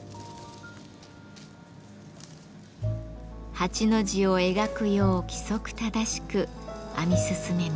８の字を描くよう規則正しく編み進めます。